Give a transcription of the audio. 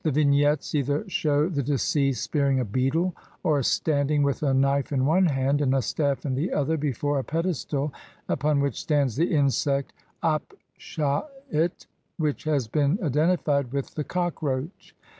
49) the vignettes either shew the deceased spearing a beetle, or stand ing, with a knife in one hand and a staff in the other, before a pedestal upon which stands the insect Apshait, which has been identified with the cockroach.